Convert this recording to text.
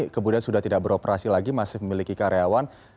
kemudian sudah tidak beroperasi lagi masih memiliki karyawan